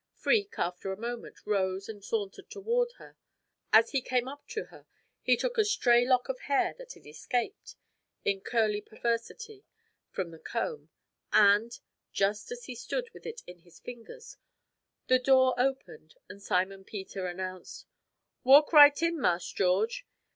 Freke, after a moment, rose and sauntered toward her. As he came up to her he took a stray lock of hair that had escaped, in curly perversity, from the comb; and, just as he stood with it in his fingers, the door opened and Simon Peter announced: "Walk right in, Marse George.